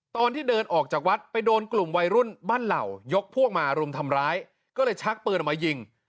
ตอนที่เดินออกจากวัดไปโดนกลุ่มวัยรุ่นบ้านเหล่ายกพวกมารุมทำร้ายก็เลยชักปืนออกมายิง